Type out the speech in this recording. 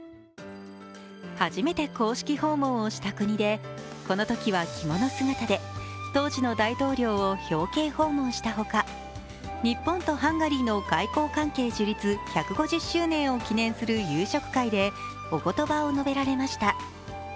初めて公式訪問をした国でこのときは着物姿で当時の大統領を表敬訪問したほか日本とハンガリーの外交関係樹立１５０周年を記念する夕食会でおことばを述べられました。